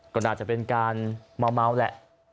ก็น่าจะเป็นการเมาแหละ